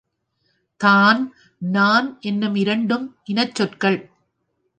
தான் நான் என்னும் இரண்டும் இனச் சொற்கள்.